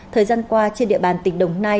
thời gian qua trên địa bàn tỉnh đồng nai